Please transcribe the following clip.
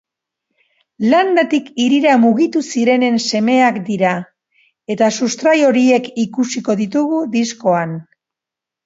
Landatik hirira mugitu zirenen semeak dira eta sustrai horiek ikusiko ditugu diskoan.